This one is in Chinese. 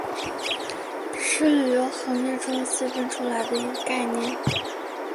是旅游行业中细分出来的一个概念。